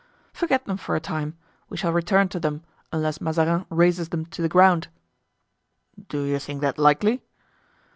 "Forget them for a time; we shall return to them, unless Mazarin razes them to the ground." "Do you think that likely?"